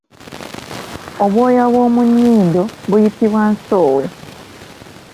Obwoya bw’omunnyindo buyitibwa Nsowe.